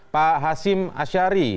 pak hasim asyari